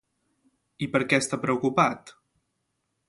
I per què està preocupat?